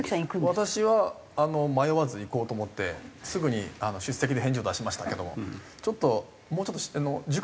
私は迷わず行こうと思ってすぐに「出席」で返事を出しましたけどもちょっともうちょっと熟慮が必要でしたか？